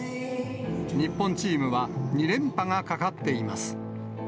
日本チームは２連覇がかかっています。